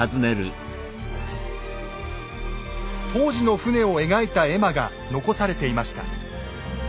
当時の船を描いた絵馬が残されていました。